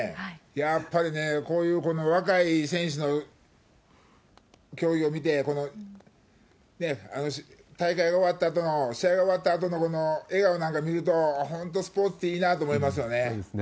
やっぱりね、こういう若い選手の競技を見て、大会が終わったあとの、試合が終わったあとの笑顔なんか見ると、本当、スポーツっていいそうですね。